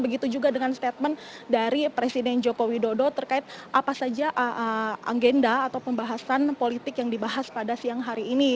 begitu juga dengan statement dari presiden joko widodo terkait apa saja agenda atau pembahasan politik yang dibahas pada siang hari ini